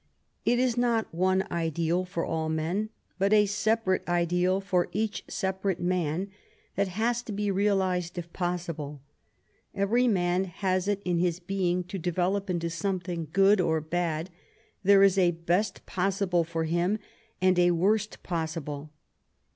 It is not one ideal for all men, but a separate ideal for each separate man, that has to be realized if possible. Every man has it in his being to develop into something good or bad: there is a best possible for him, and a worst possible.